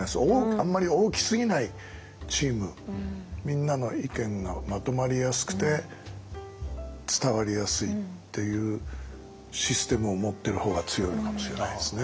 あんまり大きすぎないチームみんなの意見がまとまりやすくて伝わりやすいっていうシステムを持ってる方が強いのかもしれないですね。